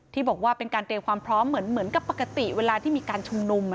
ที่บอกว่าเป็นการเตรียมความพร้อมเหมือนกับปกติเวลาที่มีการชุมนุม